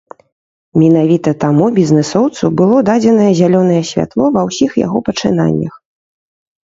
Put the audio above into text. Менавіта таму бізнэсоўцу было дадзенае зялёнае святло ва ўсіх яго пачынаннях.